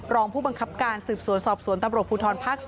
รองผู้บังคับการสืบสวนสอบสวนตำรวจภูทรภาค๔